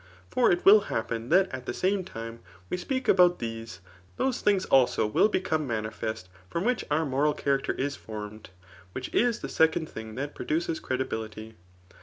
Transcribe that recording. For it will happen that at the same time we apeak about these, those things also will become manifest from, which our moral character is formed, which is the second thing that, produces credibiHty.